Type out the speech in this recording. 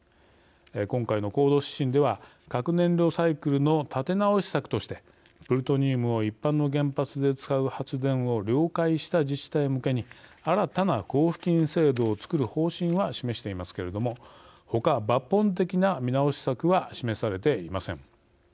今回の行動指針では核燃料サイクルの建て直し策としてプルトニウムを一般の原発で使う発電を了解した自治体向けに新たな交付金制度をつくる方針は示していますけれどもほか、抜本的な見直し策は示されていません。